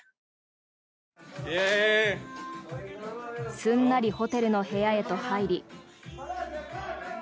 すんなりホテルの部屋へと入り。